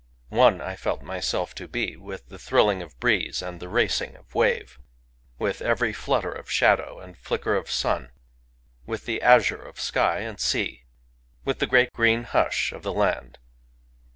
One I felt myself to be with the thrilling of breeze and the racing of wave, — with every flut ter of shadow and flicker of sun, — with the azure of sky and sea, — with the great green hush of the land.